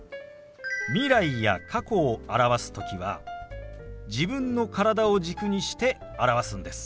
未来や過去を表す時は自分の体を軸にして表すんです。